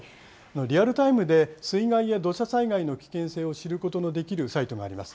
リアルタイムで水害や土砂災害の危険性を知ることのできるサイトがあります。